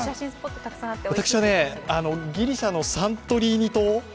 私はギリシャのサントリーニ島。